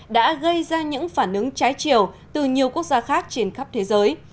đã gây ra những phản ứng trái chiều từ nhiều quốc gia khác trên khắp thế giới